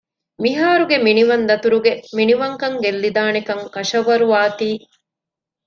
މިހާރުގެ މިނިވަން ދަތުރުގެ މިނިވަންކަން ގެއްލިދާނެކަން ކަށަވަރުވާތީ